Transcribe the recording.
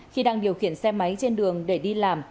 khi đang điều khiển xe máy trên đường để đi làm